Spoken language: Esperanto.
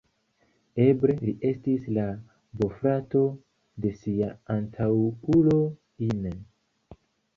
Eble li estis la bofrato de sia antaŭulo Ine.